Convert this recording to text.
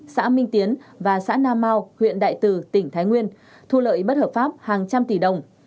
xã minh tiến và xã na mau huyện đại từ tỉnh thái nguyên thu lợi bất hợp pháp hàng trăm tỷ đồng